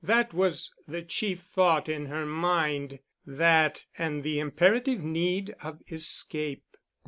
That was the chief thought in her mind—that and the imperative need of escape.